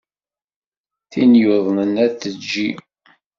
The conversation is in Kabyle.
Tin yuḍnen ad tejji.